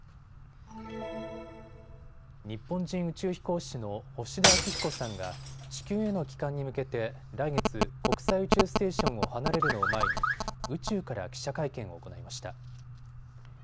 日本人宇宙飛行士の星出彰彦さんが地球への帰還に向けて来月、国際宇宙ステーションを離れるのを前に宇宙から記者会見を行いました。